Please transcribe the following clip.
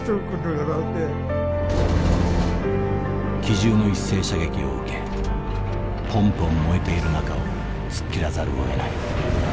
「機銃の一斉射撃を受けぽんぽん燃えている中を突っ切らざるをえない。